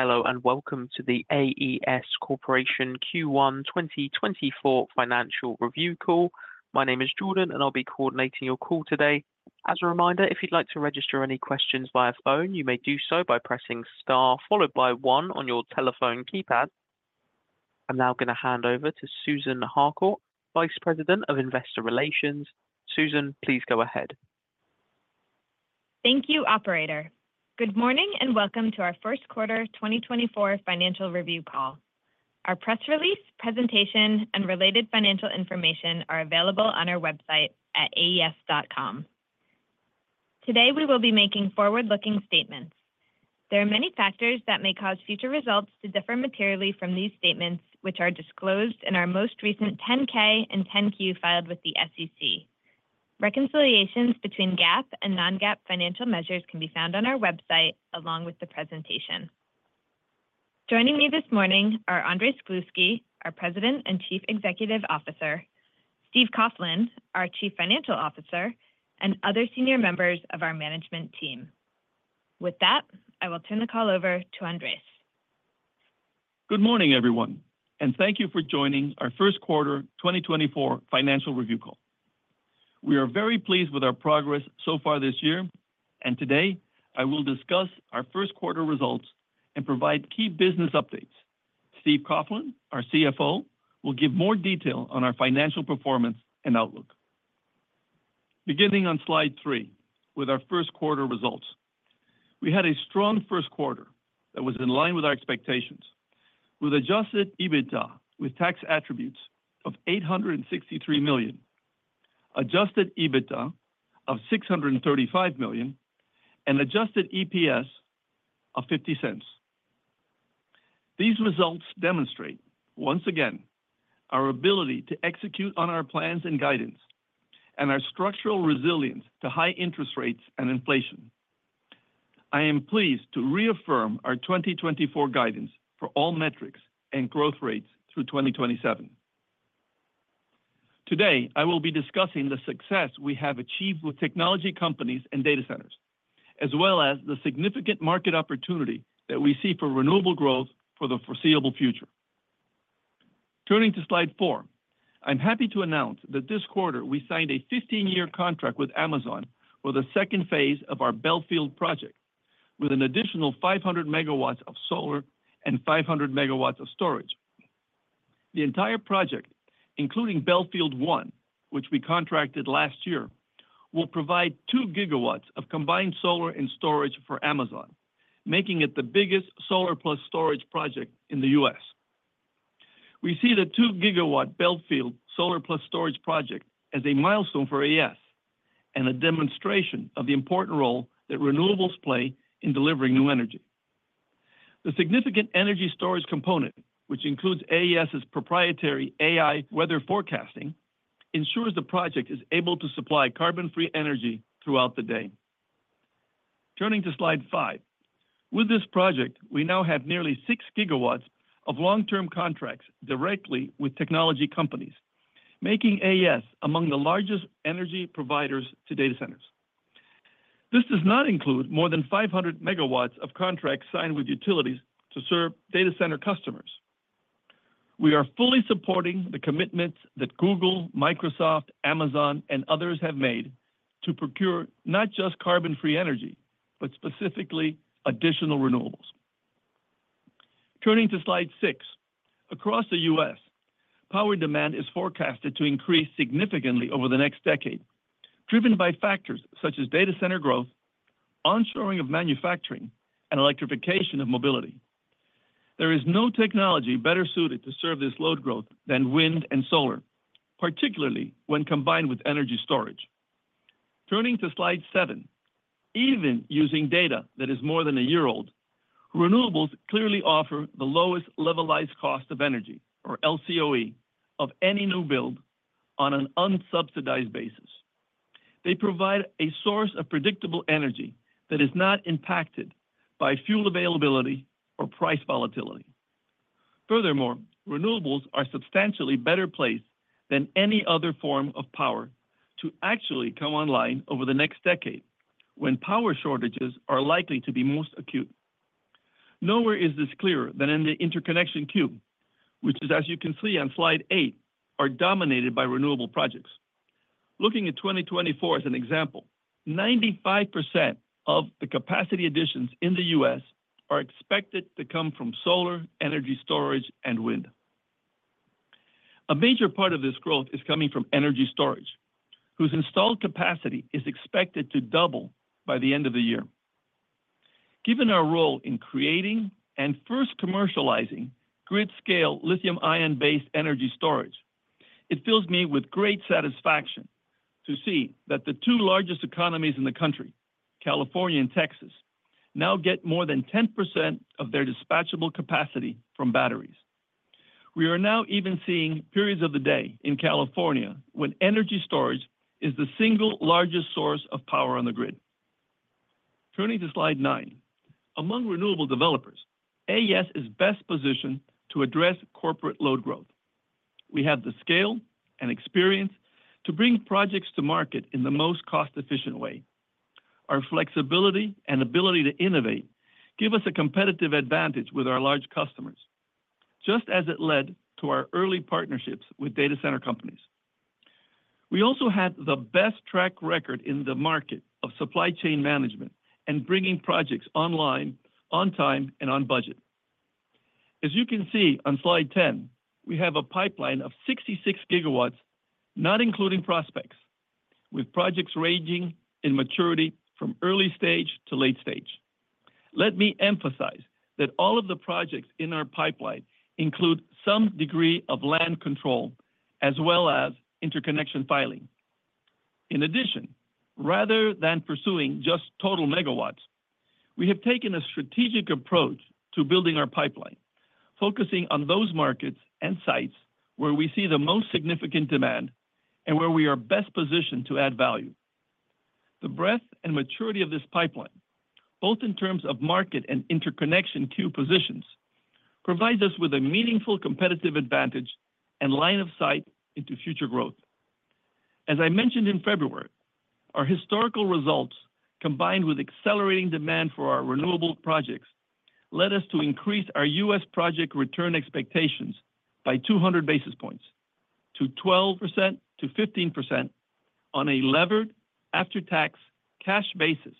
Hello and Welcome to the AES Corporation Q1 2024 financial review call. My name is Jordan and I'll be coordinating your call today. As a reminder, if you'd like to register any questions via phone, you may do so by pressing star followed by one on your telephone keypad. I'm now going to hand over to Susan Harcourt, Vice President of Investor Relations. Susan, please go ahead. Thank you, Operator. Good morning and Welcome to our first quarter 2024 financial review call. Our press release, presentation, and related financial information are available on our website at aes.com. Today we will be making forward-looking statements. There are many factors that may cause future results to differ materially from these statements, which are disclosed in our most recent 10-K and 10-Q filed with the SEC. Reconciliations between GAAP and non-GAAP financial measures can be found on our website along with the presentation. Joining me this morning are Andrés Gluski, our President and Chief Executive Officer; Steve Coughlin, our Chief Financial Officer; and other senior members of our management team. With that, I will turn the call over to Andrés. Good morning, everyone, and Thank you for joining our first quarter 2024 financial review call. We are very pleased with our progress so far this year, and today I will discuss our first quarter results and provide key business updates. Steve Coughlin, our CFO, will give more detail on our financial performance and outlook. Beginning on slide three with our first quarter results, we had a strong first quarter that was in line with our expectations, with Adjusted EBITDA with tax attributes of $863 million, Adjusted EBITDA of $635 million, and Adjusted EPS of $0.50. These results demonstrate, once again, our ability to execute on our plans and guidance, and our structural resilience to high interest rates and inflation. I am pleased to reaffirm our 2024 guidance for all metrics and growth rates through 2027. Today I will be discussing the success we have achieved with technology companies and data centers, as well as the significant market opportunity that we see for renewable growth for the foreseeable future. Turning to slide four, I'm happy to announce that this quarter we signed a 15-year contract with Amazon for the second phase of our Bellefield project, with an additional 500 MW of solar and 500 MW of storage. The entire project, including Bellefield 1, which we contracted last year, will provide 2 GW of combined solar and storage for Amazon, making it the biggest solar-plus storage project in the U.S. We see the 2-GW Bellefield solar-plus storage project as a milestone for AES and a demonstration of the important role that renewables play in delivering new energy. The significant energy storage component, which includes AES's proprietary AI weather forecasting, ensures the project is able to supply carbon-free energy throughout the day. Turning to slide five, with this project we now have nearly 6 GW of long-term contracts directly with technology companies, making AES among the largest energy providers to data centers. This does not include more than 500 MW of contracts signed with utilities to serve data center customers. We are fully supporting the commitments that Google, Microsoft, Amazon, and others have made to procure not just carbon-free energy, but specifically additional renewables. Turning to slide six, across the U.S., power demand is forecasted to increase significantly over the next decade, driven by factors such as data center growth, onshoring of manufacturing, and electrification of mobility. There is no technology better suited to serve this load growth than wind and solar, particularly when combined with energy storage. Turning to slide seven, even using data that is more than a year old, renewables clearly offer the lowest levelized cost of energy, or LCOE, of any new build on an unsubsidized basis. They provide a source of predictable energy that is not impacted by fuel availability or price volatility. Furthermore, renewables are substantially better placed than any other form of power to actually come online over the next decade, when power shortages are likely to be most acute. Nowhere is this clearer than in the interconnection queue, which is, as you can see on slide eight, are dominated by renewable projects. Looking at 2024 as an example, 95% of the capacity additions in the U.S. are expected to come from solar, energy storage, and wind. A major part of this growth is coming from energy storage, whose installed capacity is expected to double by the end of the year. Given our role in creating and first commercializing grid-scale lithium-ion-based energy storage, it fills me with great satisfaction to see that the two largest economies in the country, California and Texas, now get more than 10% of their dispatchable capacity from batteries. We are now even seeing periods of the day in California when energy storage is the single largest source of power on the grid. Turning to slide nine, among renewable developers, AES is best positioned to address corporate load growth. We have the scale and experience to bring projects to market in the most cost-efficient way. Our flexibility and ability to innovate give us a competitive advantage with our large customers, just as it led to our early partnerships with data center companies. We also have the best track record in the market of supply chain management and bringing projects online on time and on budget. As you can see on slide 10, we have a pipeline of 66 GW, not including prospects, with projects ranging in maturity from early stage to late stage. Let me emphasize that all of the projects in our pipeline include some degree of land control as well as interconnection filing. In addition, rather than pursuing just total megawatts, we have taken a strategic approach to building our pipeline, focusing on those markets and sites where we see the most significant demand and where we are best positioned to add value. The breadth and maturity of this pipeline, both in terms of market and interconnection queue positions, provides us with a meaningful competitive advantage and line of sight into future growth. As I mentioned in February, our historical results, combined with accelerating demand for our renewable projects, led us to increase our U.S. Project return expectations by 200 basis points, to 12%-15%, on a levered, after-tax, cash basis,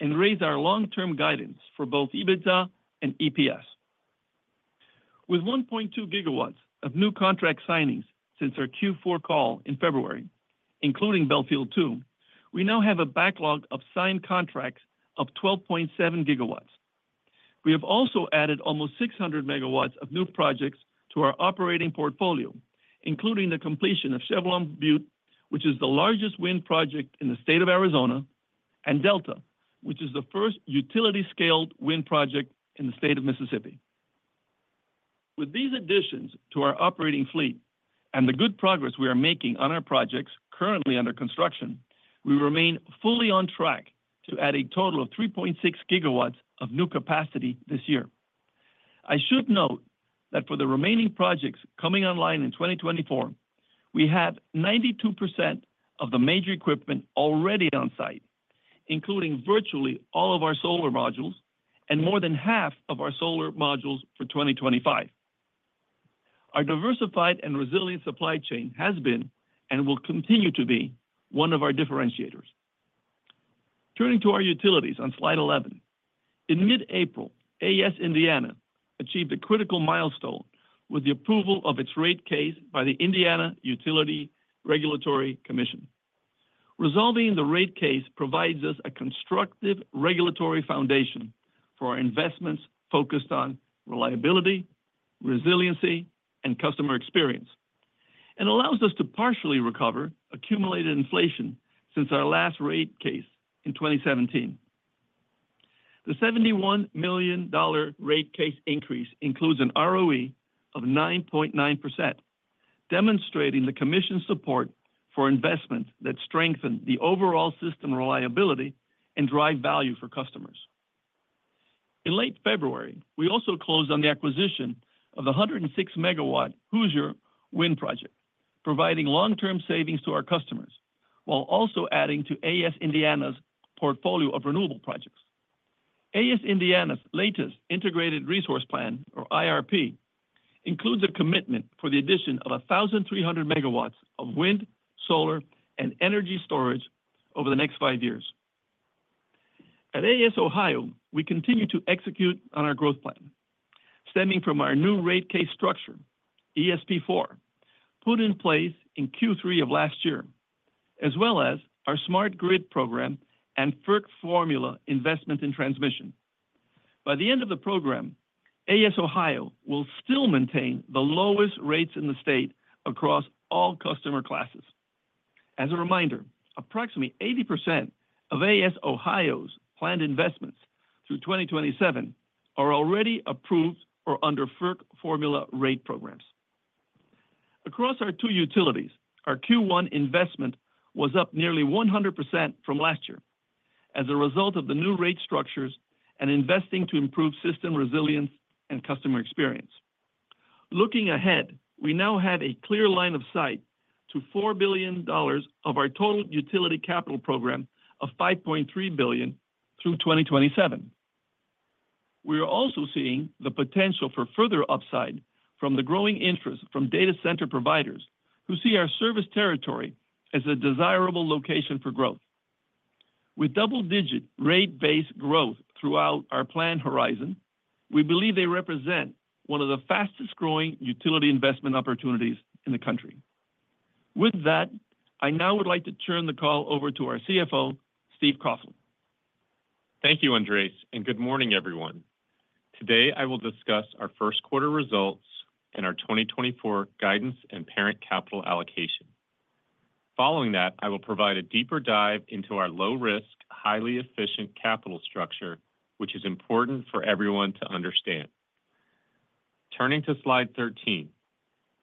and raise our long-term guidance for both EBITDA and EPS. With 1.2 GW of new contract signings since our Q4 call in February, including Bellefield 2, we now have a backlog of signed contracts of 12.7 GW. We have also added almost 600 MW of new projects to our operating portfolio, including the completion of Chevelon Butte, which is the largest wind project in the state of Arizona, and Delta, which is the first utility-scale wind project in the state of Mississippi. With these additions to our operating fleet and the good progress we are making on our projects currently under construction, we remain fully on track to add a total of 3.6 GW of new capacity this year. I should note that for the remaining projects coming online in 2024, we have 92% of the major equipment already on site, including virtually all of our solar modules and more than 1/2 of our solar modules for 2025. Our diversified and resilient supply chain has been and will continue to be one of our differentiators. Turning to our utilities on slide 11, in mid-April, AES Indiana achieved a critical milestone with the approval of its rate case by the Indiana Utility Regulatory Commission. Resolving the rate case provides us a constructive regulatory foundation for our investments focused on reliability, resiliency, and customer experience, and allows us to partially recover accumulated inflation since our last rate case in 2017. The $71 million rate case increase includes an ROE of 9.9%, demonstrating the Commission's support for investments that strengthen the overall system reliability and drive value for customers. In late February, we also closed on the acquisition of the 106-MW Hoosier Wind Project, providing long-term savings to our customers while also adding to AES Indiana's portfolio of renewable projects. AES Indiana's latest Integrated Resource Plan, or IRP, includes a commitment for the addition of 1,300 MW of wind, solar, and energy storage over the next five years. At AES Ohio, we continue to execute on our growth plan, stemming from our new rate case structure, ESP 4, put in place in Q3 of last year, as well as our Smart Grid Program and FERC formula investment in transmission. By the end of the program, AES Ohio will still maintain the lowest rates in the state across all customer classes. As a reminder, approximately 80% of AES Ohio's planned investments through 2027 are already approved or under FERC formula rate programs. Across our two utilities, our Q1 investment was up nearly 100% from last year as a result of the new rate structures and investing to improve system resilience and customer experience. Looking ahead, we now have a clear line of sight to $4 billion of our total utility capital program of $5.3 billion through 2027. We are also seeing the potential for further upside from the growing interest from data center providers who see our service territory as a desirable location for growth. With double-digit rate-based growth throughout our plan horizon, we believe they represent one of the fastest-growing utility investment opportunities in the country. With that, I now would like to turn the call over to our CFO, Steve Coughlin. Thank you, Andrés, and good morning, everyone. Today I will discuss our first quarter results and our 2024 guidance and parent capital allocation. Following that, I will provide a deeper dive into our low-risk, highly efficient capital structure, which is important for everyone to understand. Turning to slide 13,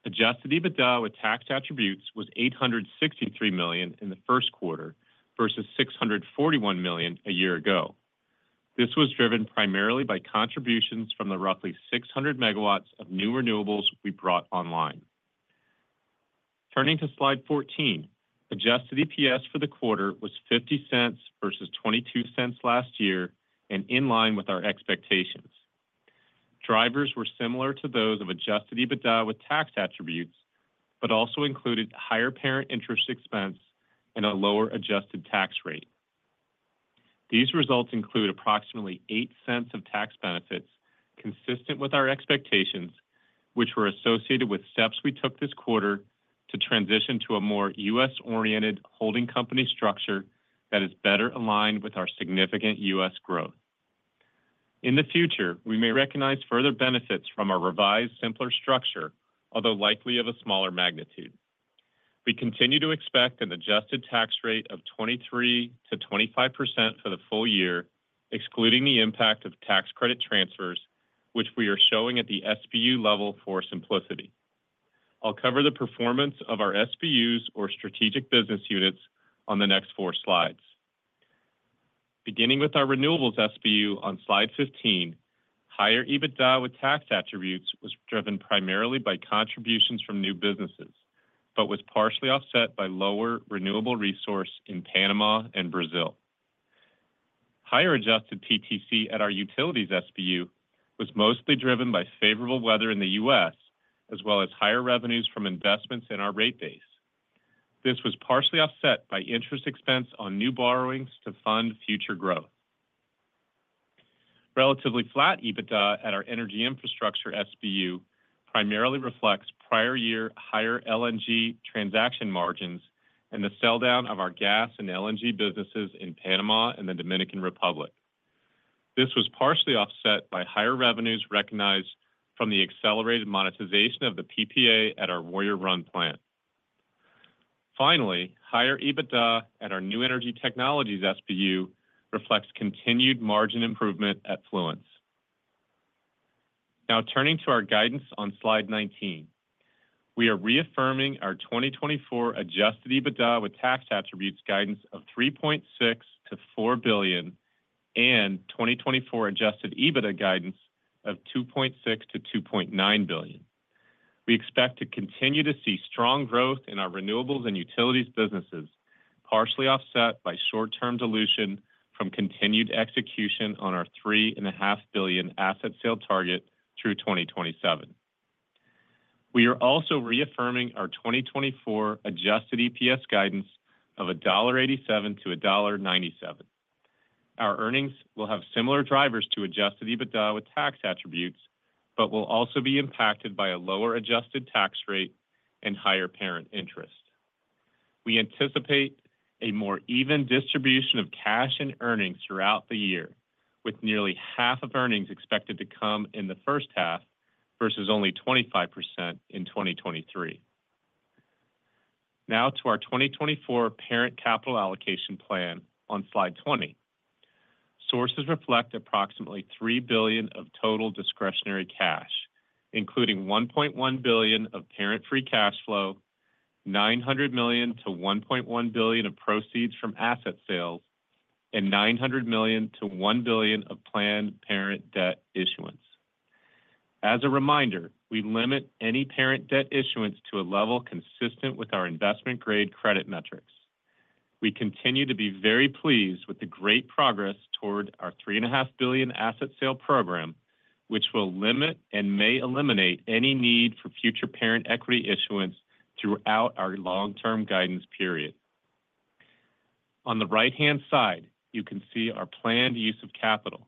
Adjusted EBITDA with tax attributes was $863 million in the first quarter versus $641 million a year ago. This was driven primarily by contributions from the roughly 600 MW of new renewables we brought online. Turning to slide 14, Adjusted EPS for the quarter was $0.50 versus $0.22 last year and in line with our expectations. Drivers were similar to those of Adjusted EBITDA with tax attributes but also included higher parent interest expense and a lower adjusted tax rate. These results include approximately $0.08 of tax benefits consistent with our expectations, which were associated with steps we took this quarter to transition to a more U.S.-oriented holding company structure that is better aligned with our significant U.S. growth. In the future, we may recognize further benefits from our revised, simpler structure, although likely of a smaller magnitude. We continue to expect an adjusted tax rate of 23%-25% for the full year, excluding the impact of tax credit transfers, which we are showing at the SBU level for simplicity. I'll cover the performance of our SBUs, or strategic business units, on the next four slides. Beginning with our renewables SBU on slide 15, higher EBITDA with tax attributes was driven primarily by contributions from new businesses but was partially offset by lower renewable resource in Panama and Brazil. Higher adjusted PTC at our utilities SBU was mostly driven by favorable weather in the U.S. as well as higher revenues from investments in our rate base. This was partially offset by interest expense on new borrowings to fund future growth. Relatively flat EBITDA at our energy infrastructure SBU primarily reflects prior-year higher LNG transaction margins and the sell-down of our gas and LNG businesses in Panama and the Dominican Republic. This was partially offset by higher revenues recognized from the accelerated monetization of the PPA at our Warrior Run plant. Finally, higher EBITDA at our new energy technologies SBU reflects continued margin improvement at Fluence. Now, turning to our guidance on slide 19, we are reaffirming our 2024 Adjusted EBITDA with tax attributes guidance of $3.6 billion-$4 billion and 2024 Adjusted EBITDA guidance of $2.6 billion-$2.9 billion. We expect to continue to see strong growth in our renewables and utilities businesses, partially offset by short-term dilution from continued execution on our $3.5 billion asset sale target through 2027. We are also reaffirming our 2024 Adjusted EPS guidance of $1.87-$1.97. Our earnings will have similar drivers to Adjusted EBITDA with tax attributes but will also be impacted by a lower adjusted tax rate and higher parent interest. We anticipate a more even distribution of cash and earnings throughout the year, with nearly 1/2 of earnings expected to come in the first half versus only 25% in 2023. Now to our 2024 parent capital allocation plan on slide 20. Sources reflect approximately $3 billion of total discretionary cash, including $1.1 billion of parent free cash flow, $900 million to $1.1 billion of proceeds from asset sales, and $900 million to $1 billion of planned parent debt issuance. As a reminder, we limit any parent debt issuance to a level consistent with our investment-grade credit metrics. We continue to be very pleased with the great progress toward our $3.5 billion asset sale program, which will limit and may eliminate any need for future parent equity issuance throughout our long-term guidance period. On the right-hand side, you can see our planned use of capital.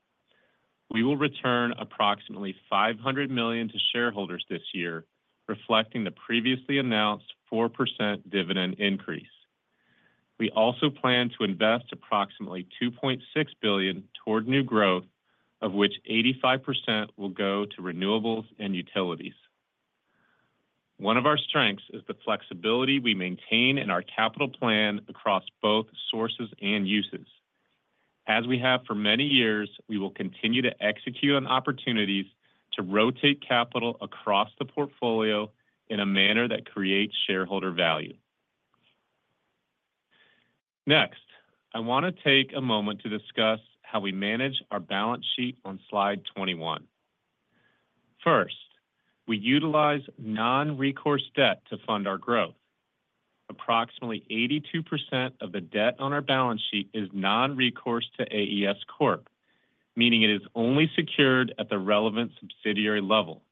We will return approximately $500 million to shareholders this year, reflecting the previously announced 4% dividend increase. We also plan to invest approximately $2.6 billion toward new growth, of which 85% will go to renewables and utilities. One of our strengths is the flexibility we maintain in our capital plan across both sources and uses. As we have for many years, we will continue to execute on opportunities to rotate capital across the portfolio in a manner that creates shareholder value. Next, I want to take a moment to discuss how we manage our balance sheet on slide 21. First, we utilize non-recourse debt to fund our growth. Approximately 82% of the debt on our balance sheet is non-recourse to AES Corp, meaning it is only secured at the relevant subsidiary level.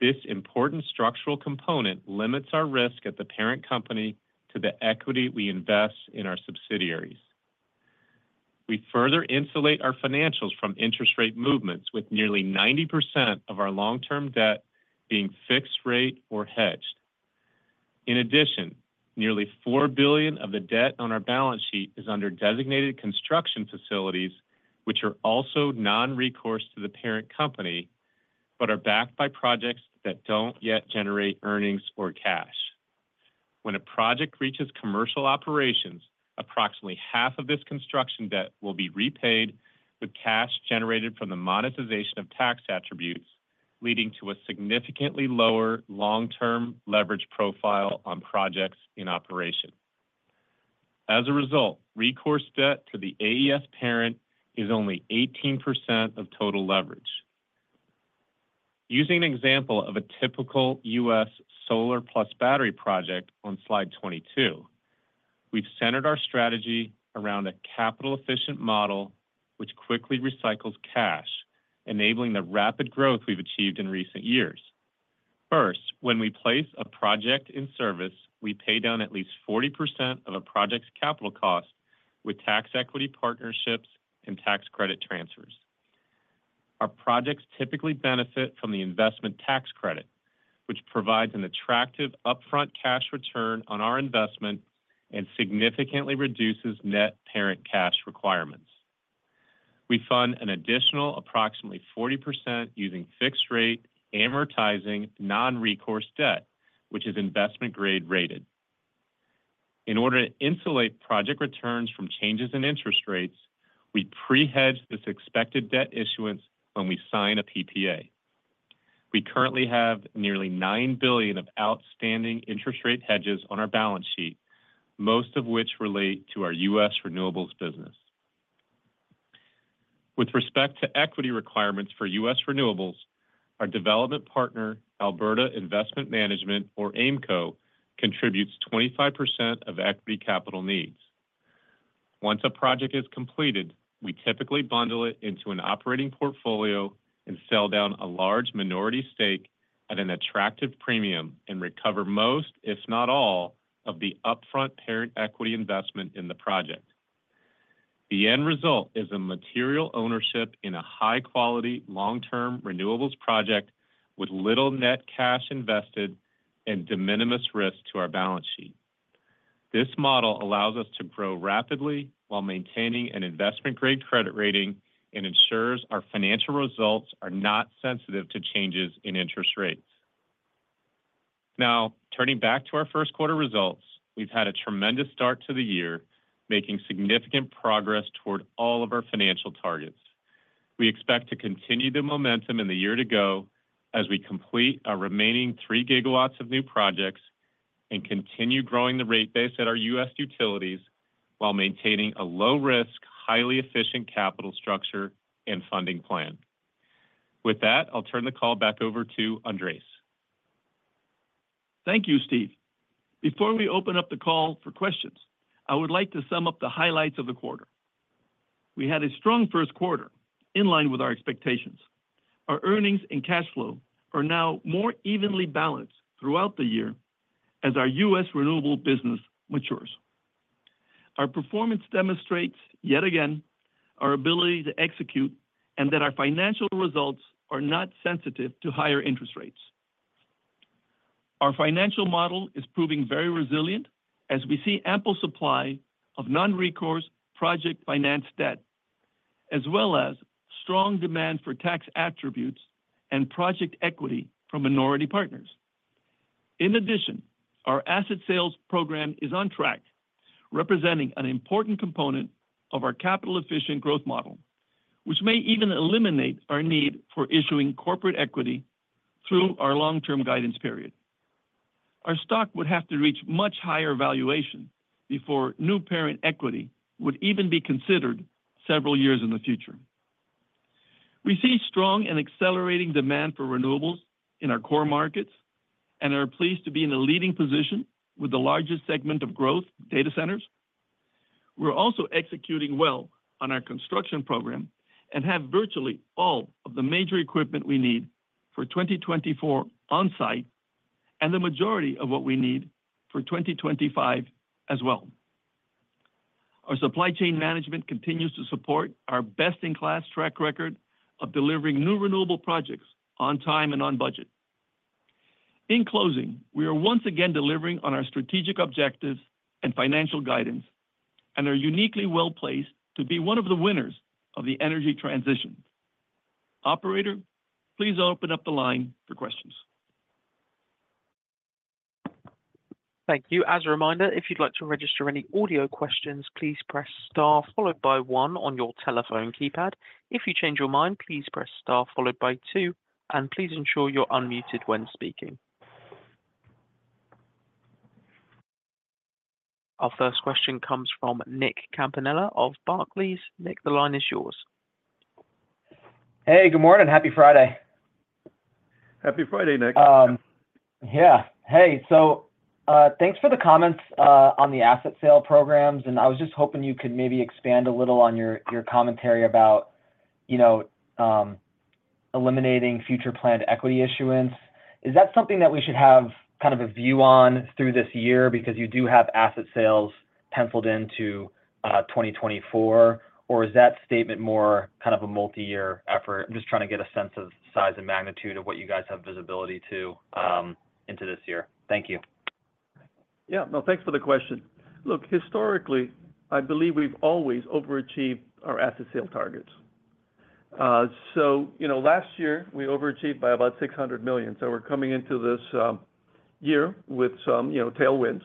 This important structural component limits our risk at the parent company to the equity we invest in our subsidiaries. We further insulate our financials from interest rate movements, with nearly 90% of our long-term debt being fixed-rate or hedged. In addition, nearly $4 billion of the debt on our balance sheet is under designated construction facilities, which are also non-recourse to the parent company but are backed by projects that don't yet generate earnings or cash. When a project reaches commercial operations, approximately 1/2 of this construction debt will be repaid with cash generated from the monetization of tax attributes, leading to a significantly lower long-term leverage profile on projects in operation. As a result, recourse debt to the AES parent is only 18% of total leverage. Using an example of a typical U.S. solar-plus-battery project on slide 22, we've centered our strategy around a capital-efficient model which quickly recycles cash, enabling the rapid growth we've achieved in recent years. First, when we place a project in service, we pay down at least 40% of a project's capital cost with tax equity partnerships and tax credit transfers. Our projects typically benefit from the Investment Tax Credit, which provides an attractive upfront cash return on our investment and significantly reduces net parent cash requirements. We fund an additional approximately 40% using fixed-rate amortizing non-recourse debt, which is investment-grade rated. In order to insulate project returns from changes in interest rates, we pre-hedge this expected debt issuance when we sign a PPA. We currently have nearly $9 billion of outstanding interest rate hedges on our balance sheet, most of which relate to our U.S. renewables business. With respect to equity requirements for U.S. renewables, our development partner, Alberta Investment Management, or AIMCo, contributes 25% of equity capital needs. Once a project is completed, we typically bundle it into an operating portfolio and sell down a large minority stake at an attractive premium and recover most, if not all, of the upfront parent equity investment in the project. The end result is a material ownership in a high-quality, long-term renewables project with little net cash invested and de minimis risk to our balance sheet. This model allows us to grow rapidly while maintaining an investment-grade credit rating and ensures our financial results are not sensitive to changes in interest rates. Now, turning back to our first quarter results, we've had a tremendous start to the year, making significant progress toward all of our financial targets. We expect to continue the momentum in the year to go as we complete our remaining 3 GW of new projects and continue growing the rate base at our U.S. utilities while maintaining a low-risk, highly efficient capital structure and funding plan. With that, I'll turn the call back over to Andrés. Thank you, Steve. Before we open up the call for questions, I would like to sum up the highlights of the quarter. We had a strong first quarter, in line with our expectations. Our earnings and cash flow are now more evenly balanced throughout the year as our U.S. renewable business matures. Our performance demonstrates, yet again, our ability to execute and that our financial results are not sensitive to higher interest rates. Our financial model is proving very resilient as we see ample supply of non-recourse project finance debt, as well as strong demand for tax attributes and project equity from minority partners. In addition, our asset sales program is on track, representing an important component of our capital-efficient growth model, which may even eliminate our need for issuing corporate equity through our long-term guidance period. Our stock would have to reach much higher valuation before new parent equity would even be considered several years in the future. We see strong and accelerating demand for renewables in our core markets and are pleased to be in a leading position with the largest segment of growth, data centers. We're also executing well on our construction program and have virtually all of the major equipment we need for 2024 on-site and the majority of what we need for 2025 as well. Our supply chain management continues to support our best-in-class track record of delivering new renewable projects on time and on budget. In closing, we are once again delivering on our strategic objectives and financial guidance and are uniquely well-placed to be one of the winners of the energy transition. Operator, please open up the line for questions. Thank you. As a reminder, if you'd like to register any audio questions, please press star followed by one on your telephone keypad. If you change your mind, please press star followed by two, and please ensure you're unmuted when speaking. Our first question comes from Nick Campanella of Barclays. Nick, the line is yours. Hey, good morning. Happy Friday. Happy Friday, Nick. Yeah. Hey, so thanks for the comments on the asset sale programs, and I was just hoping you could maybe expand a little on your commentary about eliminating future planned equity issuance. Is that something that we should have kind of a view on through this year because you do have asset sales penciled into 2024, or is that statement more kind of a multi-year effort? I'm just trying to get a sense of size and magnitude of what you guys have visibility to into this year. Thank you. Yeah. No, thanks for the question. Look, historically, I believe we've always overachieved our asset sale targets. So last year, we overachieved by about $600 million, so we're coming into this year with some tailwinds.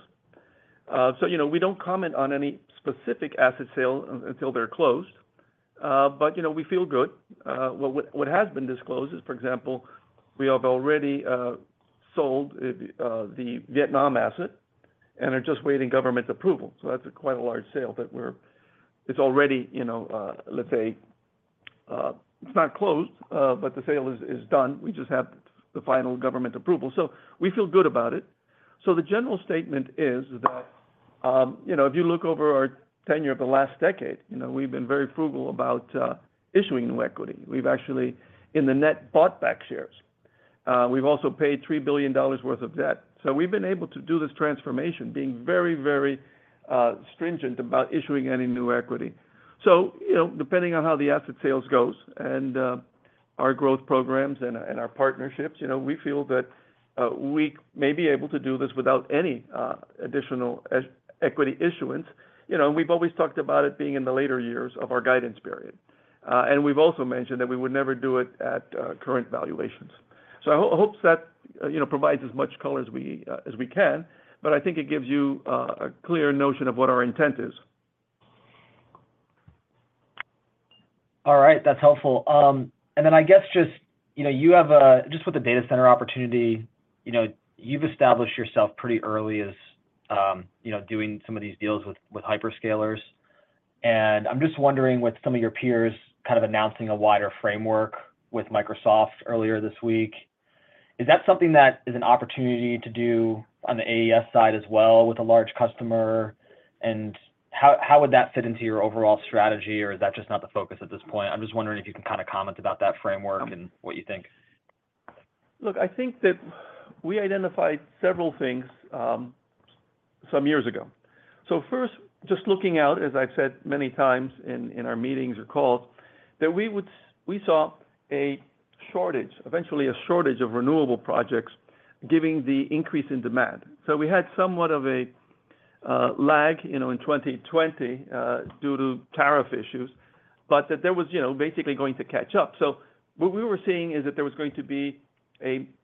So we don't comment on any specific asset sale until they're closed, but we feel good. What has been disclosed is, for example, we have already sold the Vietnam asset and are just waiting government approval. So that's quite a large sale that it's already, let's say it's not closed, but the sale is done. We just have the final government approval. So we feel good about it. So the general statement is that if you look over our tenure of the last decade, we've been very frugal about issuing new equity. We've actually, in the net, bought back shares. We've also paid $3 billion worth of debt. We've been able to do this transformation, being very, very stringent about issuing any new equity. Depending on how the asset sales goes and our growth programs and our partnerships, we feel that we may be able to do this without any additional equity issuance. We've always talked about it being in the later years of our guidance period. We've also mentioned that we would never do it at current valuations. I hope that provides as much color as we can, but I think it gives you a clear notion of what our intent is. All right. That's helpful. And then I guess just with the data center opportunity, you've established yourself pretty early as doing some of these deals with hyperscalers. And I'm just wondering with some of your peers kind of announcing a wider framework with Microsoft earlier this week, is that something that is an opportunity to do on the AES side as well with a large customer? And how would that fit into your overall strategy, or is that just not the focus at this point? I'm just wondering if you can kind of comment about that framework and what you think. Look, I think that we identified several things some years ago. So first, just looking out, as I've said many times in our meetings or calls, that we saw a shortage, eventually a shortage of renewable projects, given the increase in demand. So we had somewhat of a lag in 2020 due to tariff issues, but that there was basically going to catch up. So what we were seeing is that there was going to be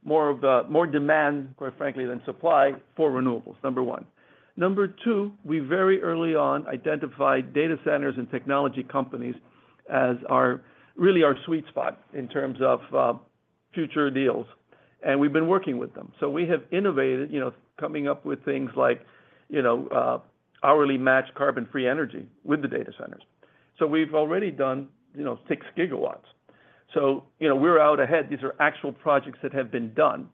more demand, quite frankly, than supply for renewables, number one. Number two, we very early on identified data centers and technology companies as really our sweet spot in terms of future deals, and we've been working with them. So we have innovated, coming up with things like hourly matched carbon-free energy with the data centers. So we've already done 6 GW. So we're out ahead. These are actual projects that have been done.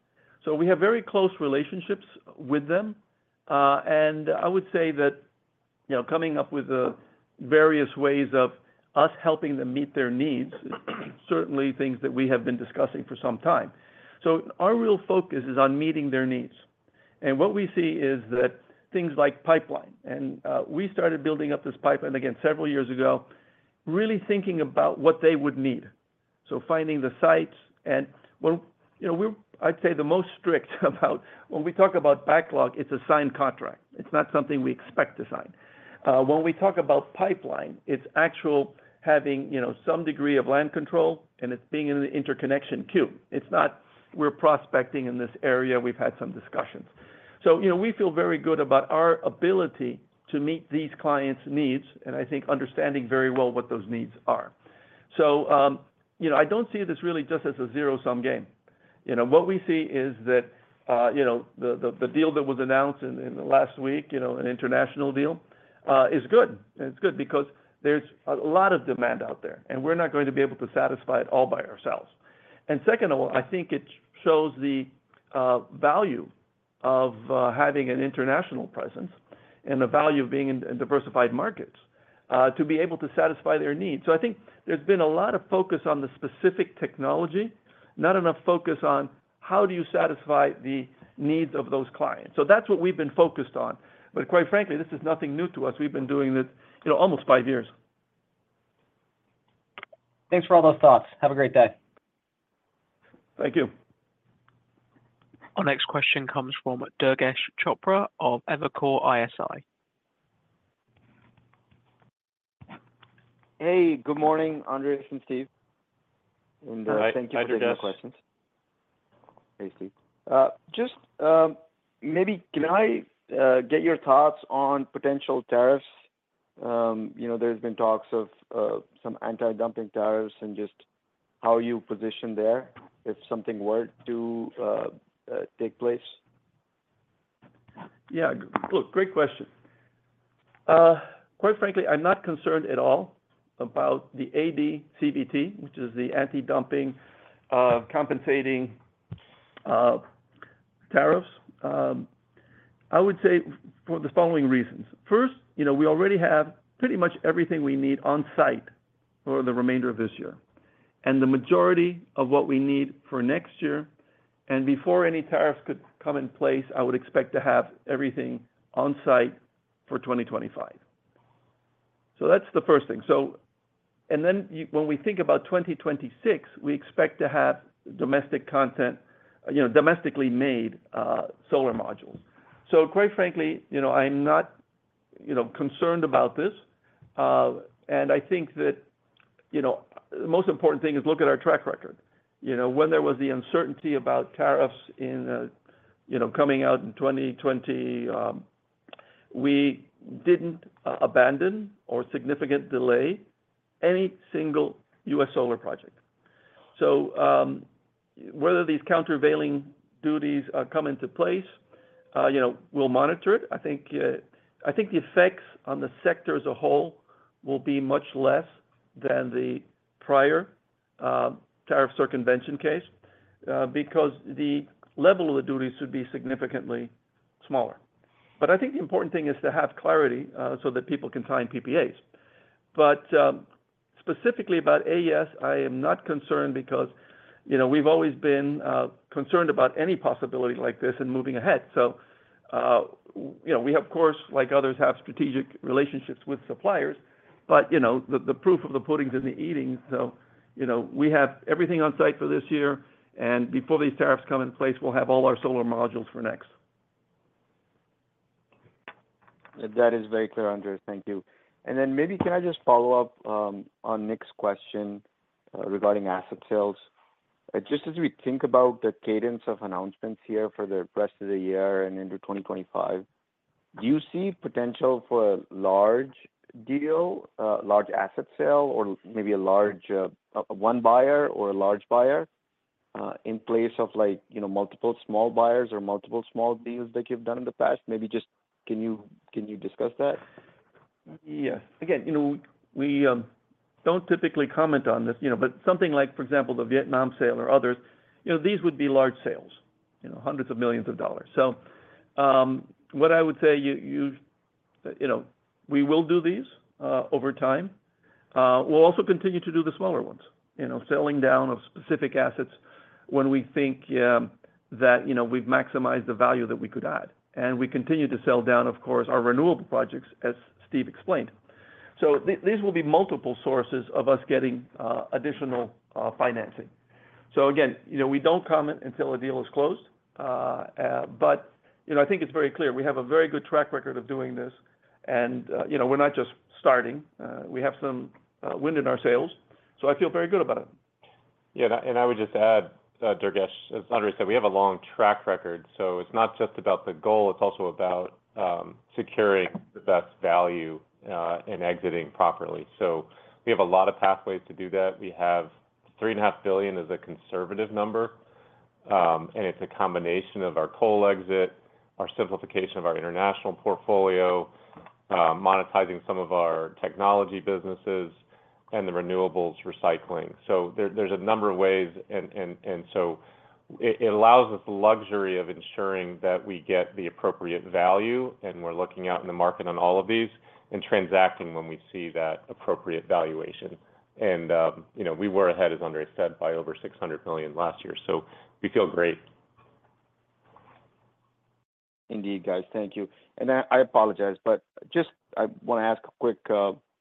We have very close relationships with them. I would say that coming up with various ways of us helping them meet their needs is certainly things that we have been discussing for some time. Our real focus is on meeting their needs. What we see is that things like pipeline, and we started building up this pipeline, again, several years ago, really thinking about what they would need. Finding the sites. I'd say the most strict about when we talk about backlog. It's a signed contract. It's not something we expect to sign. When we talk about pipeline, it's actual having some degree of land control, and it's being in the interconnection queue. It's not, "We're prospecting in this area. We've had some discussions." So we feel very good about our ability to meet these clients' needs and I think understanding very well what those needs are. So I don't see this really just as a zero-sum game. What we see is that the deal that was announced in the last week, an international deal, is good. It's good because there's a lot of demand out there, and we're not going to be able to satisfy it all by ourselves. And second of all, I think it shows the value of having an international presence and the value of being in diversified markets to be able to satisfy their needs. So I think there's been a lot of focus on the specific technology, not enough focus on how do you satisfy the needs of those clients. So that's what we've been focused on. Quite frankly, this is nothing new to us. We've been doing this almost five years. Thanks for all those thoughts. Have a great day. Thank you. Our next question comes from Durgesh Chopra of Evercore ISI. Hey, good morning, Andrés and Steve. Hey, Steve. Just maybe can I get your thoughts on potential tariffs? There's been talks of some anti-dumping tariffs and just how you position there if something were to take place. Yeah. Look, great question. Quite frankly, I'm not concerned at all about the AD/CVD, which is the anti-dumping countervailing tariffs. I would say for the following reasons. First, we already have pretty much everything we need on-site for the remainder of this year and the majority of what we need for next year. And before any tariffs could come in place, I would expect to have everything on-site for 2025. So that's the first thing. And then when we think about 2026, we expect to have domestically made solar modules. So quite frankly, I'm not concerned about this. And I think that the most important thing is look at our track record. When there was the uncertainty about tariffs coming out in 2020, we didn't abandon or significantly delay any single U.S. solar project. So whether these countervailing duties come into place, we'll monitor it. I think the effects on the sector as a whole will be much less than the prior tariff circumvention case because the level of the duties would be significantly smaller. But I think the important thing is to have clarity so that people can sign PPAs. But specifically about AES, I am not concerned because we've always been concerned about any possibility like this and moving ahead. So we, of course, like others, have strategic relationships with suppliers, but the proof of the pudding's in the eating. So we have everything on-site for this year, and before these tariffs come in place, we'll have all our solar modules for next. That is very clear, Andrés. Thank you. And then maybe can I just follow up on Nick's question regarding asset sales? Just as we think about the cadence of announcements here for the rest of the year and into 2025, do you see potential for a large deal, a large asset sale, or maybe one buyer or a large buyer in place of multiple small buyers or multiple small deals that you've done in the past? Maybe just can you discuss that? Yes. Again, we don't typically comment on this, but something like, for example, the Vietnam sale or others, these would be large sales, hundreds of millions of dollars. So what I would say, we will do these over time. We'll also continue to do the smaller ones, selling down of specific assets when we think that we've maximized the value that we could add. And we continue to sell down, of course, our renewable projects, as Steve explained. So these will be multiple sources of us getting additional financing. So again, we don't comment until a deal is closed. But I think it's very clear. We have a very good track record of doing this, and we're not just starting. We have some wins in our sales, so I feel very good about it. Yeah. And I would just add, Durgesh, as Andrés said, we have a long track record. So it's not just about the goal. It's also about securing the best value and exiting properly. So we have a lot of pathways to do that. We have $3.5 billion as a conservative number, and it's a combination of our coal exit, our simplification of our international portfolio, monetizing some of our technology businesses, and the renewables recycling. So there's a number of ways. And so it allows us the luxury of ensuring that we get the appropriate value, and we're looking out in the market on all of these and transacting when we see that appropriate valuation. And we were ahead, as Andrés said, by over $600 million last year. So we feel great. Indeed, guys. Thank you. And I apologize, but just I want to ask a quick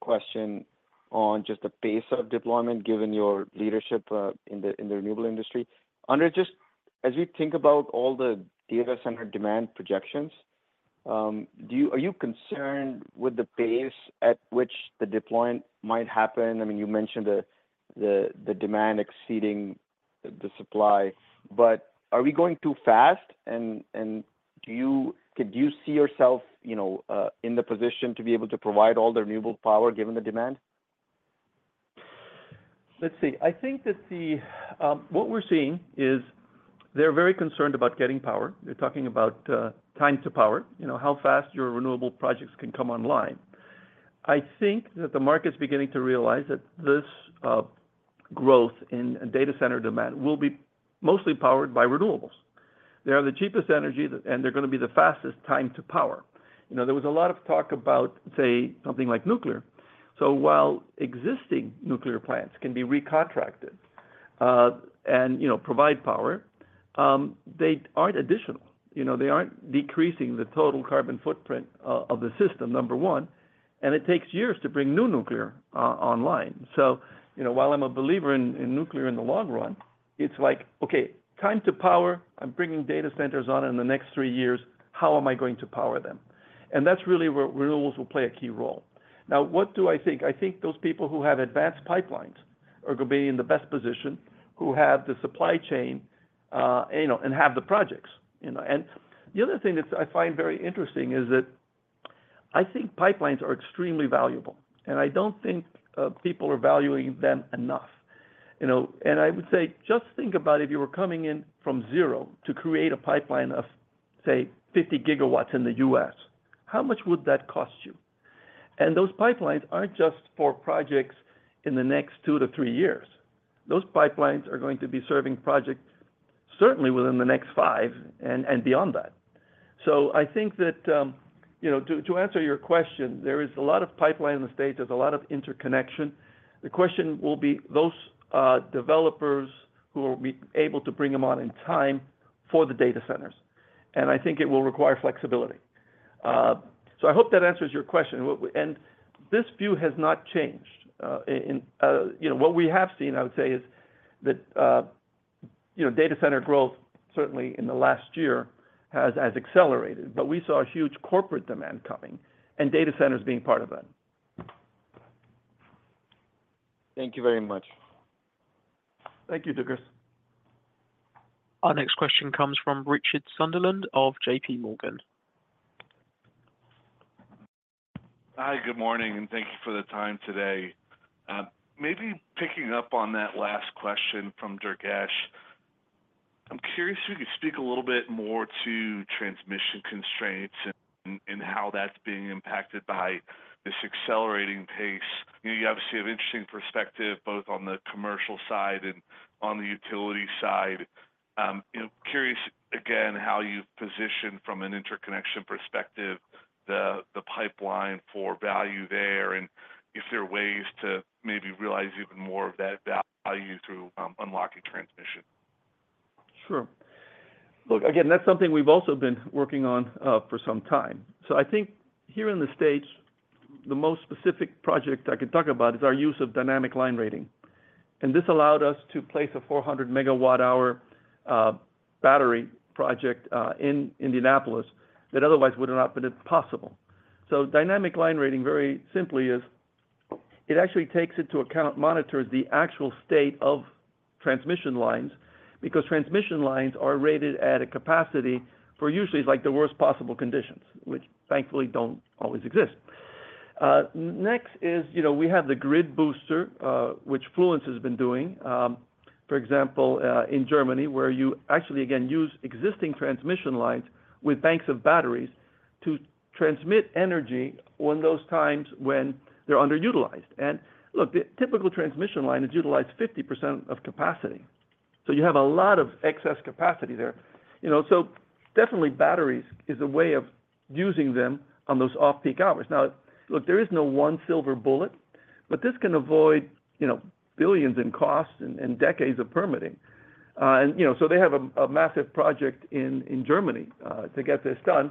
question on just the pace of deployment given your leadership in the renewable industry. Andrés, just as we think about all the data center demand projections, are you concerned with the pace at which the deployment might happen? I mean, you mentioned the demand exceeding the supply, but are we going too fast? And do you see yourself in the position to be able to provide all the renewable power given the demand? Let's see. I think that what we're seeing is they're very concerned about getting power. They're talking about time to power, how fast your renewable projects can come online. I think that the market's beginning to realize that this growth in data center demand will be mostly powered by renewables. They are the cheapest energy, and they're going to be the fastest time to power. There was a lot of talk about, say, something like nuclear. So while existing nuclear plants can be recontracted and provide power, they aren't additional. They aren't decreasing the total carbon footprint of the system, number one. And it takes years to bring new nuclear online. So while I'm a believer in nuclear in the long run, it's like, "Okay, time to power. I'm bringing data centers on in the next three years. How am I going to power them?" And that's really where renewables will play a key role. Now, what do I think? I think those people who have advanced pipelines are going to be in the best position, who have the supply chain and have the projects. And the other thing that I find very interesting is that I think pipelines are extremely valuable, and I don't think people are valuing them enough. And I would say just think about if you were coming in from zero to create a pipeline of, say, 50 GW in the U.S., how much would that cost you? And those pipelines aren't just for projects in the next two to three years. Those pipelines are going to be serving projects certainly within the next five and beyond that. So I think that to answer your question, there is a lot of pipeline in the States. There's a lot of interconnection. The question will be, those developers who will be able to bring them on in time for the data centers? And I think it will require flexibility. So I hope that answers your question. And this view has not changed. What we have seen, I would say, is that data center growth, certainly in the last year, has accelerated, but we saw a huge corporate demand coming and data centers being part of that. Thank you very much. Thank you, Durgesh. Our next question comes from Richard Sunderland of JPMorgan. Hi, good morning, and thank you for the time today. Maybe picking up on that last question from Durgesh, I'm curious if you could speak a little bit more to transmission constraints and how that's being impacted by this accelerating pace. You obviously have an interesting perspective both on the commercial side and on the utility side. Curious, again, how you've positioned from an interconnection perspective the pipeline for value there and if there are ways to maybe realize even more of that value through unlocking transmission. Sure. Look, again, that's something we've also been working on for some time. So I think here in the States, the most specific project I could talk about is our use of dynamic line rating. And this allowed us to place a 400-MWh battery project in Indianapolis that otherwise would not have been possible. So dynamic line rating, very simply, is it actually takes into account, monitors the actual state of transmission lines because transmission lines are rated at a capacity for usually the worst possible conditions, which thankfully don't always exist. Next is we have the grid booster, which Fluence has been doing, for example, in Germany, where you actually, again, use existing transmission lines with banks of batteries to transmit energy on those times when they're underutilized. And look, the typical transmission line is utilized 50% of capacity. So you have a lot of excess capacity there. So definitely, batteries is a way of using them on those off-peak hours. Now, look, there is no one silver bullet, but this can avoid billions in costs and decades of permitting. And so they have a massive project in Germany to get this done.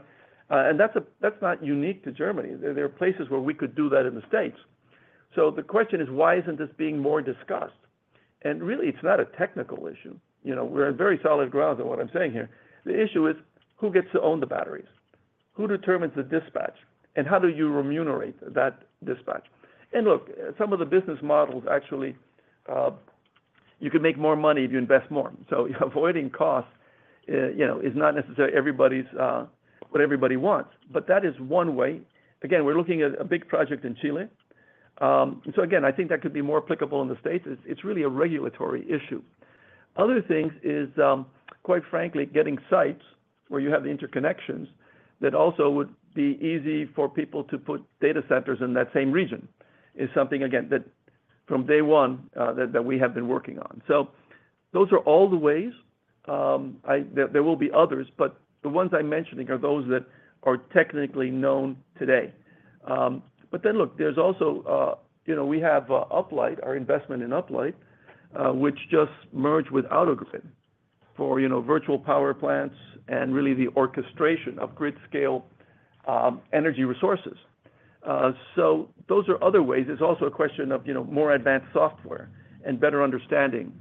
And that's not unique to Germany. There are places where we could do that in the States. So the question is, why isn't this being more discussed? And really, it's not a technical issue. We're on very solid grounds on what I'm saying here. The issue is, who gets to own the batteries? Who determines the dispatch? And how do you remunerate that dispatch? And look, some of the business models, actually, you can make more money if you invest more. So avoiding costs is not necessarily what everybody wants, but that is one way. Again, we're looking at a big project in Chile. So again, I think that could be more applicable in the States. It's really a regulatory issue. Other things is, quite frankly, getting sites where you have the interconnections that also would be easy for people to put data centers in that same region is something, again, that from day one that we have been working on. So those are all the ways. There will be others, but the ones I'm mentioning are those that are technically known today. But then look, there's also we have Uplight, our investment in Uplight, which just merged with AutoGrid for virtual power plants and really the orchestration of grid-scale energy resources. So those are other ways. It's also a question of more advanced software and better understanding.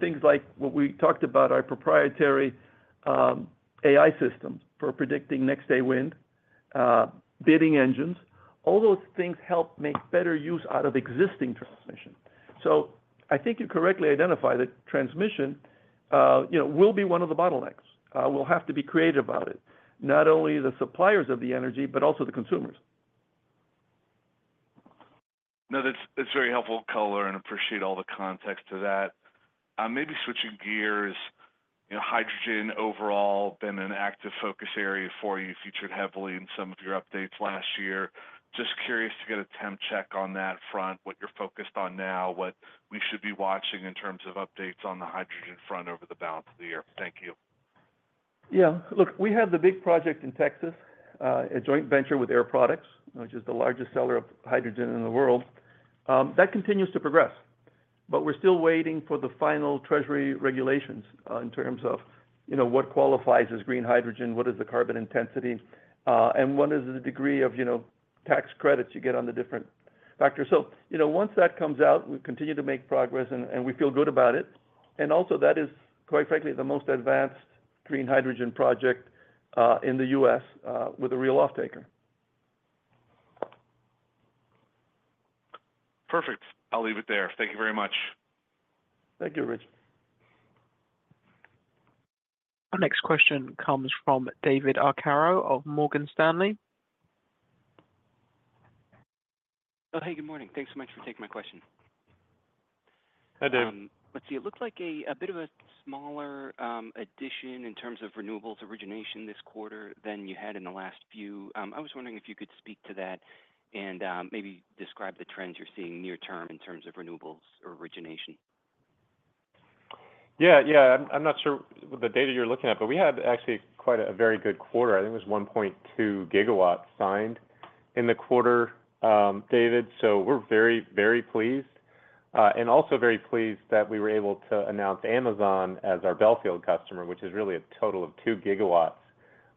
Things like what we talked about, our proprietary AI systems for predicting next-day wind, bidding engines, all those things help make better use out of existing transmission. So I think you correctly identify that transmission will be one of the bottlenecks. We'll have to be creative about it, not only the suppliers of the energy, but also the consumers. No, that's very helpful, caller, and appreciate all the context to that. Maybe switching gears, hydrogen overall been an active focus area for you, featured heavily in some of your updates last year. Just curious to get a temp check on that front, what you're focused on now, what we should be watching in terms of updates on the hydrogen front over the balance of the year. Thank you. Yeah. Look, we had the big project in Texas, a joint venture with Air Products, which is the largest seller of hydrogen in the world. That continues to progress, but we're still waiting for the final Treasury regulations in terms of what qualifies as green hydrogen, what is the carbon intensity, and what is the degree of tax credits you get on the different factors. So once that comes out, we continue to make progress, and we feel good about it. And also, that is, quite frankly, the most advanced green hydrogen project in the U.S. with a real offtaker. Perfect. I'll leave it there. Thank you very much. Thank you, Rich. Our next question comes from David Arcaro of Morgan Stanley. Oh, hey. Good morning. Thanks so much for taking my question. Hi, David. Let's see. It looked like a bit of a smaller addition in terms of renewables origination this quarter than you had in the last few. I was wondering if you could speak to that and maybe describe the trends you're seeing near-term in terms of renewables origination? Yeah. Yeah. I'm not sure with the data you're looking at, but we had actually quite a very good quarter. I think it was 1.2 GW signed in the quarter, David. So we're very, very pleased and also very pleased that we were able to announce Amazon as our Bellefield customer, which is really a total of 2 GW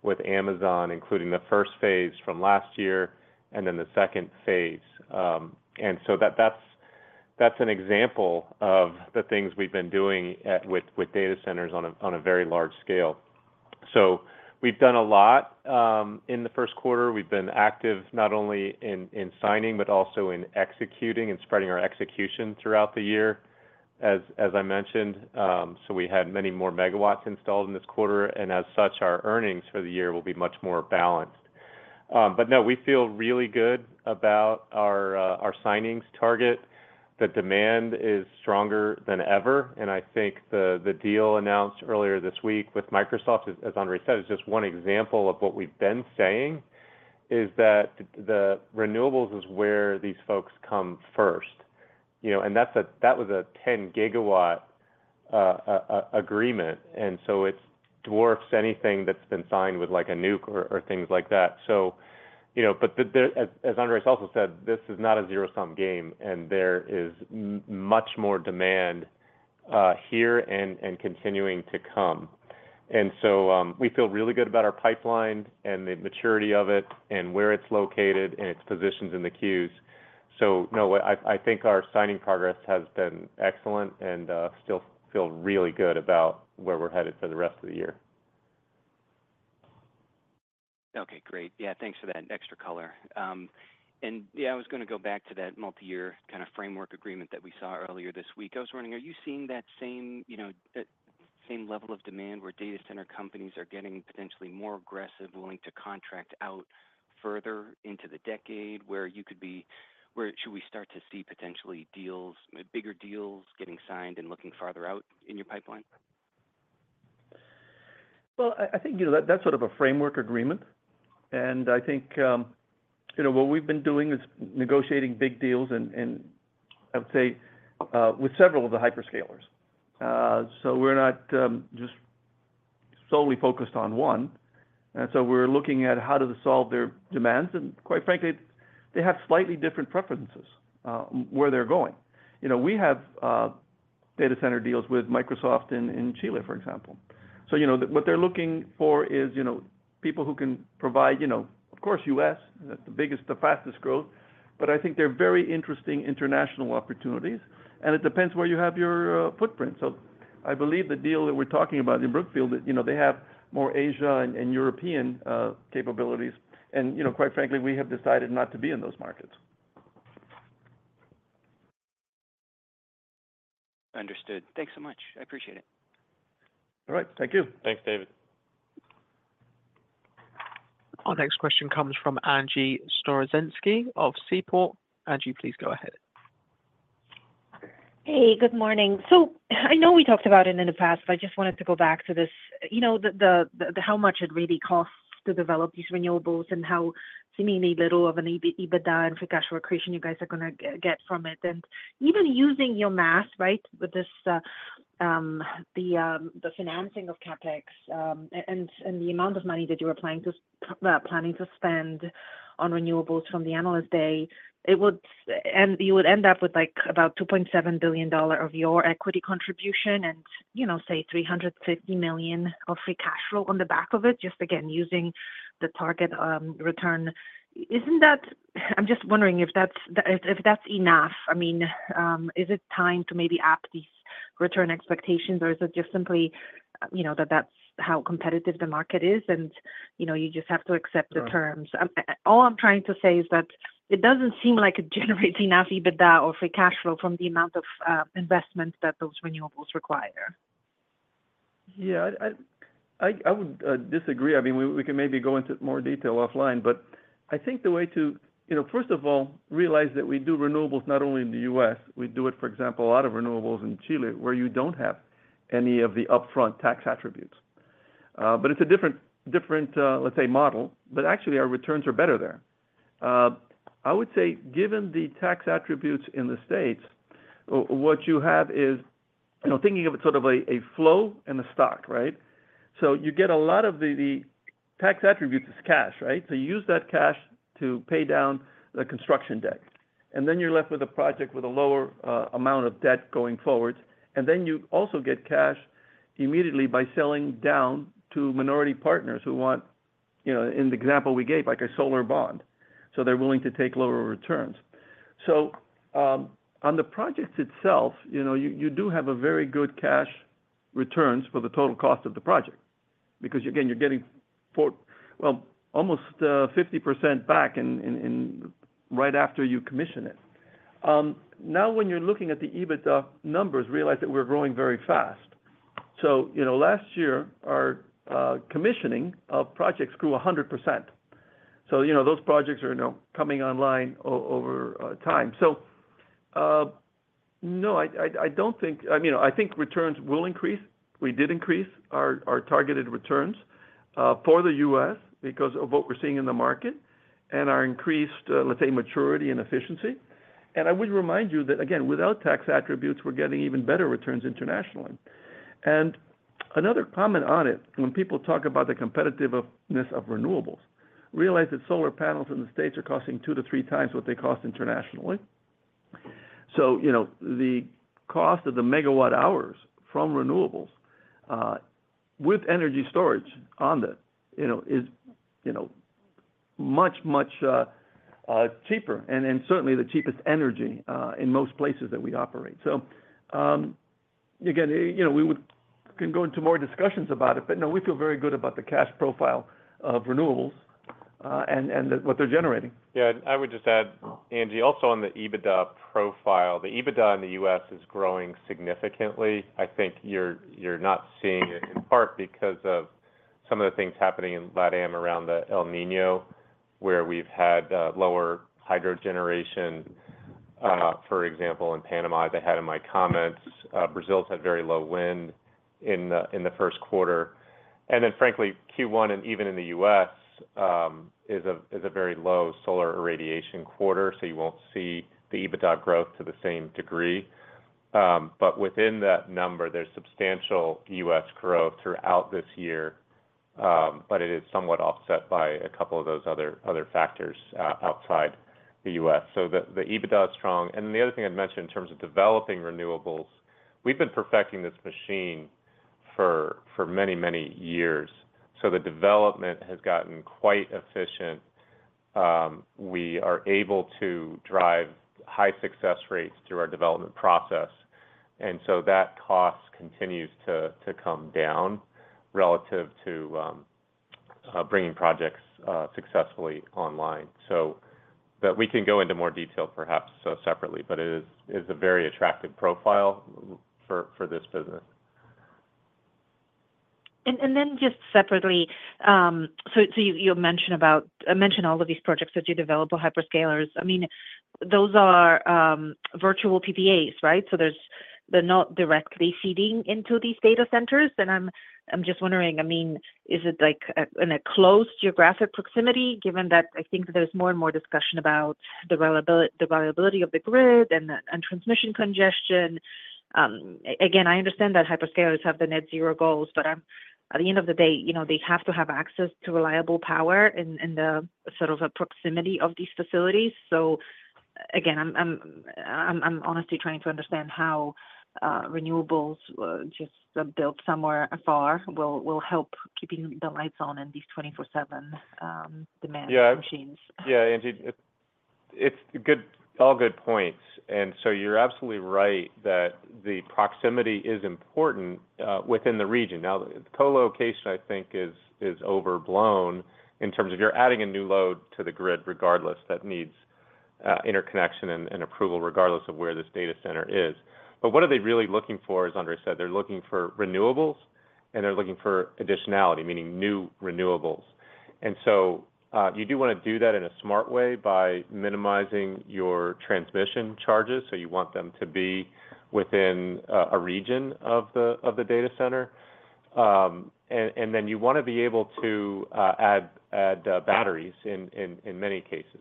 with Amazon, including the first phase from last year and then the second phase. And so that's an example of the things we've been doing with data centers on a very large scale. So we've done a lot in the first quarter. We've been active not only in signing but also in executing and spreading our execution throughout the year, as I mentioned. So we had many more megawatts installed in this quarter, and as such, our earnings for the year will be much more balanced. But no, we feel really good about our signings target. The demand is stronger than ever. I think the deal announced earlier this week with Microsoft, as Andrés said, is just one example of what we've been saying, is that the renewables is where these folks come first. And that was a 10-GW agreement, and so it dwarfs anything that's been signed with a nuke or things like that. But as Andrés has also said, this is not a zero-sum game, and there is much more demand here and continuing to come. And so we feel really good about our pipeline and the maturity of it and where it's located and its positions in the queues. So no, I think our signing progress has been excellent and still feel really good about where we're headed for the rest of the year. Okay. Great. Yeah. Thanks for that extra color. Yeah, I was going to go back to that multi-year kind of framework agreement that we saw earlier this week. I was wondering, are you seeing that same level of demand where data center companies are getting potentially more aggressive, willing to contract out further into the decade, where should we start to see potentially bigger deals getting signed and looking farther out in your pipeline? Well, I think that's sort of a framework agreement. I think what we've been doing is negotiating big deals, I would say, with several of the hyperscalers. We're not just solely focused on one. We're looking at how do they solve their demands. Quite frankly, they have slightly different preferences where they're going. We have data center deals with Microsoft in Chile, for example. What they're looking for is people who can provide, of course, U.S., the fastest growth. But I think they're very interesting international opportunities, and it depends where you have your footprint. I believe the deal that we're talking about in Brookfield, they have more Asia and European capabilities. Quite frankly, we have decided not to be in those markets. Understood. Thanks so much. I appreciate it. All right. Thank you. Thanks, David. Our next question comes from Angie Storozynski of Seaport. Angie, please go ahead. Hey. Good morning. So I know we talked about it in the past, but I just wanted to go back to this, how much it really costs to develop these renewables and how seemingly little of an EBITDA and free cash generation you guys are going to get from it. And even using your math, right, with the financing of CapEx and the amount of money that you were planning to spend on renewables from the analyst day, you would end up with about $2.7 billion of your equity contribution and, say, $350 million of free cash flow on the back of it, just again, using the target return. Isn't that? I'm just wondering if that's enough. I mean, is it time to maybe up these return expectations, or is it just simply that that's how competitive the market is and you just have to accept the terms? All I'm trying to say is that it doesn't seem like it generates enough EBITDA or free cash flow from the amount of investment that those renewables require. Yeah. I would disagree. I mean, we can maybe go into more detail offline, but I think the way to, first of all, realize that we do renewables not only in the U.S., we do it, for example, a lot of renewables in Chile where you don't have any of the upfront tax attributes. But it's a different, let's say, model, but actually, our returns are better there. I would say, given the tax attributes in the States, what you have is thinking of it sort of a flow and a stock, right? So you get a lot of the tax attributes as cash, right? So you use that cash to pay down the construction debt. And then you're left with a project with a lower amount of debt going forward. And then you also get cash immediately by selling down to minority partners who want, in the example we gave, a solar bond. So they're willing to take lower returns. So on the project itself, you do have very good cash returns for the total cost of the project because, again, you're getting, well, almost 50% back right after you commission it. Now, when you're looking at the EBITDA numbers, realize that we're growing very fast. So last year, our commissioning of projects grew 100%. So those projects are coming online over time. So no, I don't think I mean, I think returns will increase. We did increase our targeted returns for the U.S. because of what we're seeing in the market and our increased, let's say, maturity and efficiency. And I would remind you that, again, without tax attributes, we're getting even better returns internationally. And another comment on it, when people talk about the competitiveness of renewables, realize that solar panels in the States are costing 2x-3x what they cost internationally. So the cost of the megawatt-hours from renewables with energy storage on it is much, much cheaper and certainly the cheapest energy in most places that we operate. So again, we can go into more discussions about it, but no, we feel very good about the cash profile of renewables and what they're generating. Yeah. I would just add, Angie, also on the EBITDA profile, the EBITDA in the U.S. is growing significantly. I think you're not seeing it in part because of some of the things happening in LatAm around El Niño, where we've had lower hydro generation, for example, in Panama. I had in my comments, Brazil's had very low wind in the first quarter. And then, frankly, Q1 and even in the U.S. is a very low solar irradiation quarter, so you won't see the EBITDA growth to the same degree. But within that number, there's substantial U.S. growth throughout this year, but it is somewhat offset by a couple of those other factors outside the U.S. So the EBITDA is strong. And then the other thing I'd mention in terms of developing renewables, we've been perfecting this machine for many, many years. So the development has gotten quite efficient. We are able to drive high success rates through our development process. And so that cost continues to come down relative to bringing projects successfully online. So we can go into more detail, perhaps, separately, but it is a very attractive profile for this business. And then just separately, so you mentioned all of these projects that you develop, hyperscalers. I mean, those are virtual PPAs, right? So they're not directly feeding into these data centers. And I'm just wondering, I mean, is it in a closed geographic proximity, given that I think there's more and more discussion about the reliability of the grid and transmission congestion? Again, I understand that hyperscalers have the net-zero goals, but at the end of the day, they have to have access to reliable power in the sort of proximity of these facilities. So again, I'm honestly trying to understand how renewables just built somewhere afar will help keeping the lights on in these 24/7 demand machines. Yeah. Yeah, Angie, it's all good points. And so you're absolutely right that the proximity is important within the region. Now, the colocation, I think, is overblown in terms of you're adding a new load to the grid regardless that needs interconnection and approval regardless of where this data center is. But what are they really looking for, as Andrés said? They're looking for renewables, and they're looking for additionality, meaning new renewables. And so you do want to do that in a smart way by minimizing your transmission charges. So you want them to be within a region of the data center. And then you want to be able to add batteries in many cases.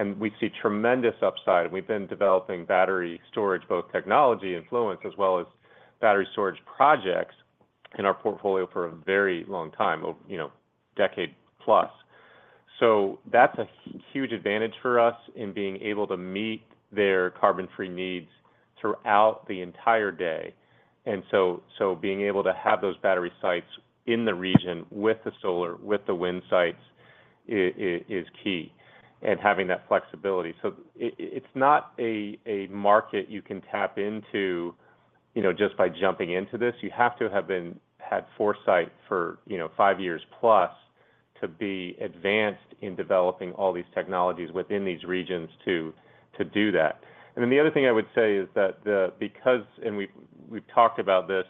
And we see tremendous upside. We've been developing battery storage, both technology Fluence as well as battery storage projects in our portfolio for a very long time, a decade-plus. So that's a huge advantage for us in being able to meet their carbon-free needs throughout the entire day. And so being able to have those battery sites in the region with the solar, with the wind sites, is key and having that flexibility. So it's not a market you can tap into just by jumping into this. You have to have had foresight for 5+ years to be advanced in developing all these technologies within these regions to do that. And then the other thing I would say is that because and we've talked about this,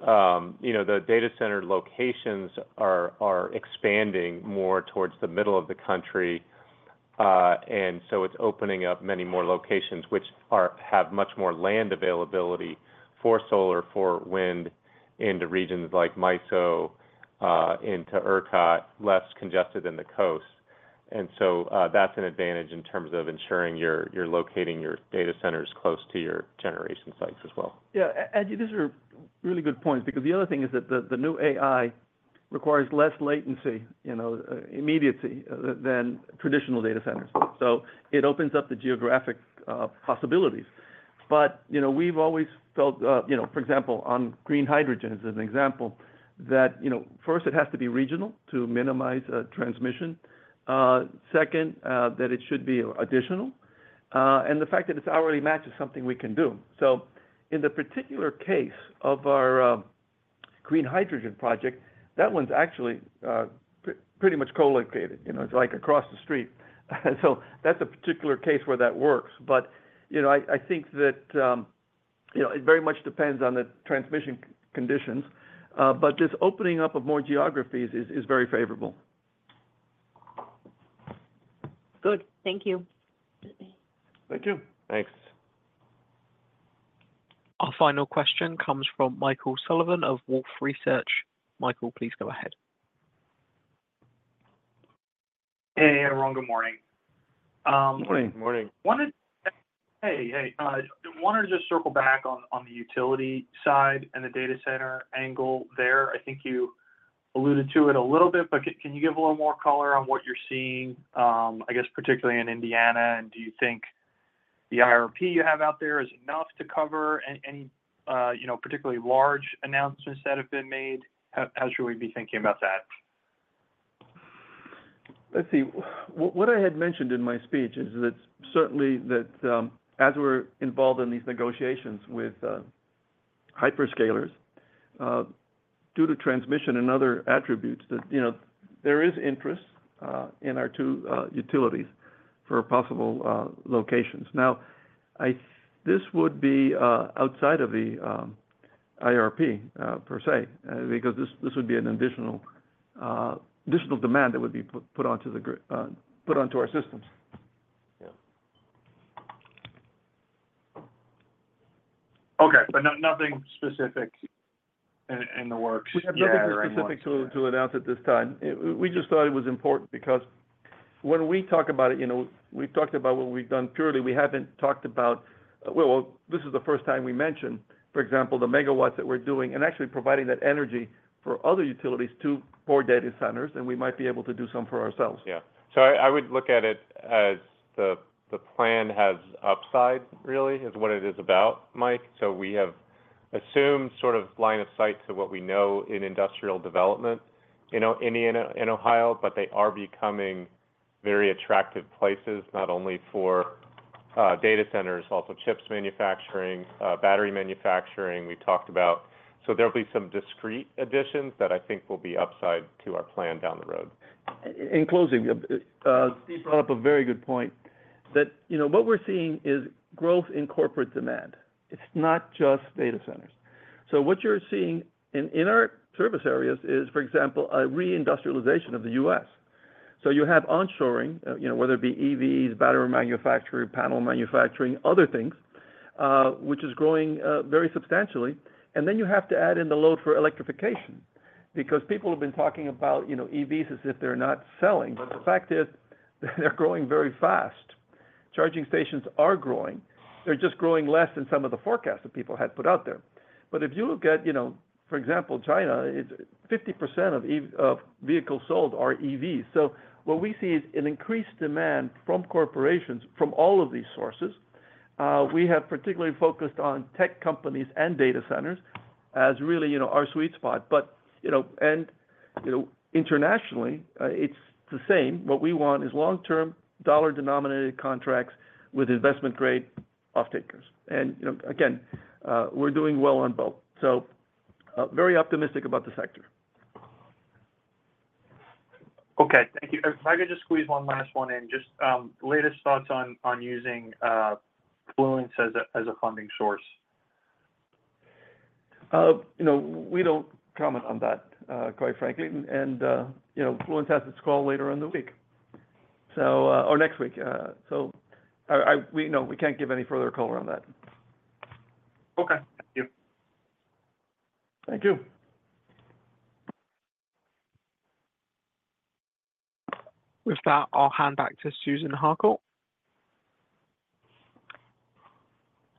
the data center locations are expanding more towards the middle of the country. And so it's opening up many more locations, which have much more land availability for solar, for wind, into regions like MISO, into ERCOT, less congested than the coast. That's an advantage in terms of locating your data centers close to your generation sites as well. Yeah. Angie, these are really good points because the other thing is that the new AI requires less latency, immediacy, than traditional data centers. So it opens up the geographic possibilities. But we've always felt, for example, on green hydrogen as an example, that first, it has to be regional to minimize transmission. Second, that it should be additional. And the fact that it's hourly match is something we can do. So in the particular case of our green hydrogen project, that one's actually pretty much colocated. It's across the street. So that's a particular case where that works. But I think that it very much depends on the transmission conditions. But this opening up of more geographies is very favorable. Good. Thank you. Thank you. Thanks. Our final question comes from Michael Sullivan of Wolfe Research. Michael, please go ahead. Hey, everyone. Good morning. Good morning. Hey, hey. I wanted to just circle back on the utility side and the data center angle there. I think you alluded to it a little bit, but can you give a little more color on what you're seeing, I guess, particularly in Indiana? And do you think the IRP you have out there is enough to cover any particularly large announcements that have been made? How should we be thinking about that? Let's see. What I had mentioned in my speech is that certainly as we're involved in these negotiations with hyperscalers, due to transmission and other attributes, there is interest in our two utilities for possible locations. Now, this would be outside of the IRP, per se, because this would be an additional demand that would be put onto our systems. Yeah. Okay. But nothing specific in the works? We have nothing specific to announce at this time. We just thought it was important because when we talk about it, we've talked about what we've done purely. We haven't talked about well, this is the first time we mention, for example, the megawatts that we're doing and actually providing that energy for other utilities to power data centers, and we might be able to do some for ourselves. Yeah. So I would look at it as the plan has upside, really, is what it is about, Mike. So we have assumed sort of line of sight to what we know in industrial development in Ohio, but they are becoming very attractive places, not only for data centers, also chips manufacturing, battery manufacturing. So there'll be some discrete additions that I think will be upside to our plan down the road. In closing, Steve brought up a very good point. What we're seeing is growth in corporate demand. It's not just data centers. So what you're seeing in our service areas is, for example, a reindustrialization of the U.S. So you have onshoring, whether it be EVs, battery manufacturing, panel manufacturing, other things, which is growing very substantially. And then you have to add in the load for electrification because people have been talking about EVs as if they're not selling. But the fact is they're growing very fast. Charging stations are growing. They're just growing less than some of the forecasts that people had put out there. But if you look at, for example, China, 50% of vehicles sold are EVs. So what we see is an increased demand from corporations from all of these sources. We have particularly focused on tech companies and data centers as really our sweet spot. Internationally, it's the same. What we want is long-term, dollar-denominated contracts with investment-grade off-takers. Again, we're doing well on both. Very optimistic about the sector. Okay. Thank you. If I could just squeeze one last one in, just latest thoughts on using Fluence as a funding source? We don't comment on that, quite frankly. And Fluence has its call later in the week or next week. So we can't give any further color on that. Okay. Thank you. Thank you. With that, I'll hand back to Susan Harcourt.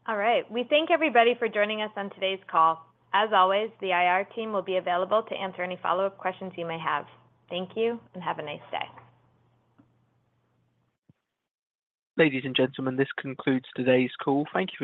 All right. We thank everybody for joining us on today's call. As always, the IR team will be available to answer any follow-up questions you may have. Thank you, and have a nice day. Ladies and gentlemen, this concludes today's call. Thank you.